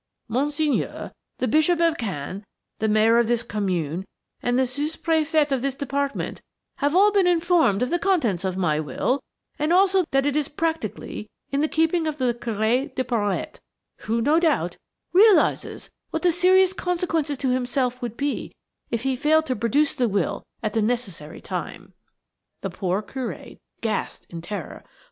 Monseigneur the Bishop of Caen, the Mayor of this Commune, and the Souspréfet of this Department have all been informed of the contents of my will, and also that it is practically in the keeping of le Curé de Porhoët, who, no doubt, realises what the serious consequences to himself would be if he failed to produce the will at the necessary time." The poor Curé gasped with terror.